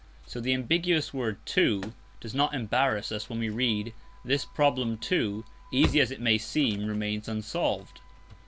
So the ambiguous word "too" does not embarrass us when we read: "This problem, too, easy as it may seem, remains unsolved."